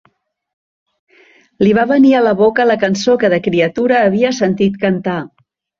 Li va venir a la boca la cançó que de criatura havia sentit cantar: